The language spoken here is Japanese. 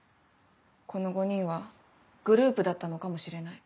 この５人はグループだったのかもしれない。